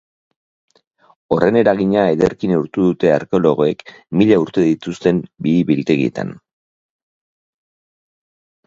Horren eragina ederki neurtu dute arkeologoek mila urte dituzten bihi-biltegietan.